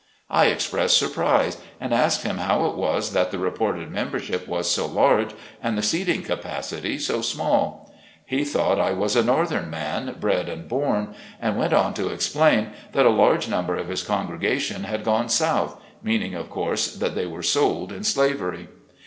I expressed surprise, and asked him how it was that the reported membership was so large and the seating capacity so small. He thought I IN A VIRGINIA PULPIT. 77 was a northern man, bred and born, and went on to explain that a large number of his congregation had gone South — meaning, of course, that they were sold in slavery.